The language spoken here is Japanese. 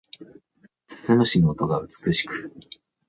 鈴虫の音が美しく